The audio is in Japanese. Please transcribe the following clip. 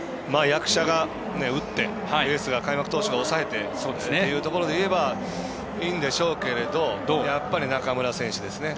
役者が打ってエースが、開幕投手が抑えてというところでいえばいいんでしょうけどやっぱり中村選手ですね。